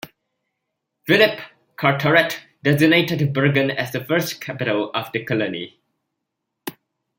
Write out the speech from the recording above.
Philip Carteret designated Bergen as the first capital of the colony.